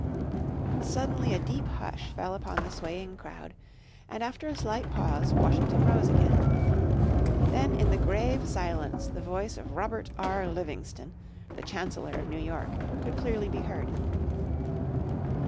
Suddenly a deep hush fell upon the swaying crowd and after a slight pause Washington rose again. Then in the grave silence the voice of Robert R. Livingston, the Chancellor of New York, could clearly be heard.